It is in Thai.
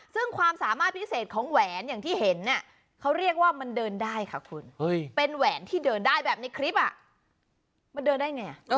ซึ่งความสามารถพิเศษของแหวนอย่างที่เห็นเนี่ยเขาเรียกว่ามันเดินได้ค่ะคุณเป็นแหวนที่เดินได้แบบในคลิปมันเดินได้ไง